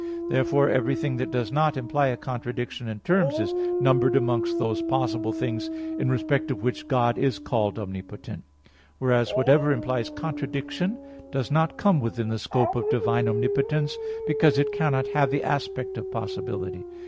Therefore, everything that does not imply a contradiction in terms, is numbered amongst those possible things, in respect of which God is called omnipotent: whereas whatever implies contradiction does not come within the scope of divine omnipotence, because it cannot have the aspect of possibility.